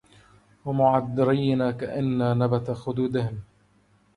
ومعذرين كأن نبت خدودهم